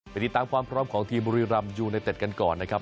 ติดตามความพร้อมของทีมบุรีรำยูไนเต็ดกันก่อนนะครับ